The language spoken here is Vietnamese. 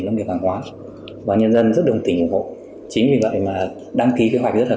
nông nghiệp hàng hóa và nhân dân rất đồng tình ủng hộ chính vì vậy mà đăng ký kế hoạch rất là